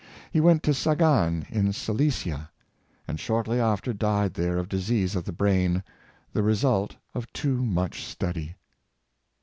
He went to Sagan in Silesia, and shortly after died there of disease of the brain, the result of too much study.